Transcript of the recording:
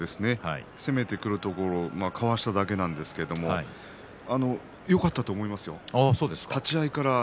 最後、竜電が攻めてくるところをかわしただけなんですけれどもよかったと思いますよ。